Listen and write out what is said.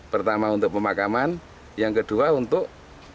pertama untuk pemakaman yang kedua untuk